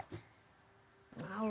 sama siapa waktu itu